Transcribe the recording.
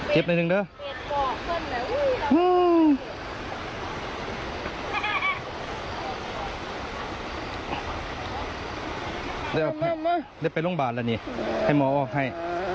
เดี๋ยวไปโรงพยาบาลแล้วนี่ให้หมอออกให้